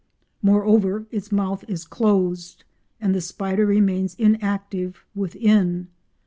Moreover its mouth is closed, and the spider remains inactive within.